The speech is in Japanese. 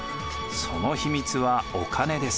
その秘密はお金です。